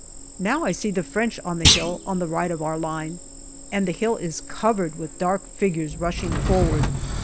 Now I see the French on the hill on the right of our line, and the hill is covered with dark figures rushing forward.